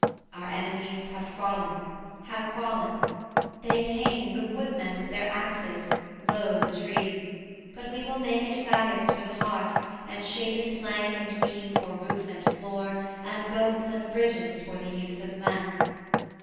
'Our enemies have fallen, have fallen: they came, The woodmen with their axes: lo the tree! But we will make it faggots for the hearth, And shape it plank and beam for roof and floor, And boats and bridges for the use of men.